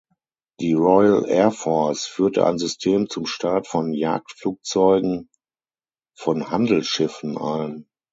Die Royal Air Force führte ein System zum Start von Jagdflugzeugen von Handelsschiffen ein.